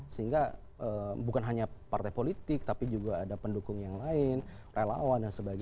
sehingga bukan hanya partai politik tapi juga ada pendukung yang lain relawan dan sebagainya